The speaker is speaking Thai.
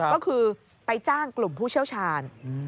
ก็คือไปจ้างกลุ่มผู้เชี่ยวชาญ